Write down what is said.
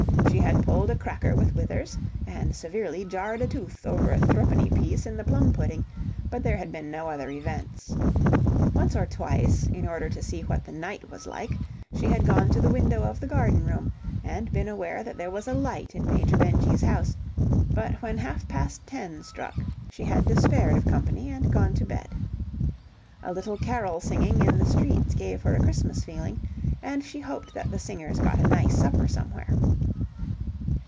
She had pulled a cracker with Withers, and severely jarred a tooth over a threepenny piece in the plum pudding, but there had been no other events. Once or twice, in order to see what the night was like, she had gone to the window of the garden room, and been aware that there was a light in Major Benjy's house, but when half past ten struck, she had despaired of company and gone to bed. A little carol singing in the streets gave her a Christmas feeling, and she hoped that the singers got a nice supper somewhere.